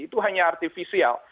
itu hanya artifisial